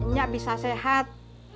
nyak bisa sehat